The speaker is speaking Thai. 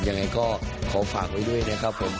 ยังไงก็ขอฝากไว้ด้วยนะครับผม